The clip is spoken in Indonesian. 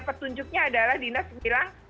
petunjuknya adalah dinas bilang